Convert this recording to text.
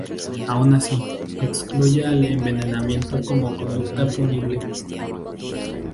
Aun así, excluye al envenenamiento como conducta punible.